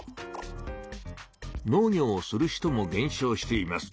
農業をする人もげん少しています。